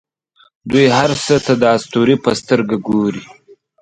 دوی هر څه ته د اسطورې په سترګه ګوري.